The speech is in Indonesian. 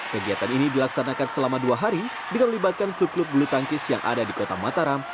kegiatan ini dilaksanakan selama dua hari dengan melibatkan klub klub bulu tangkis yang ada di kota mataram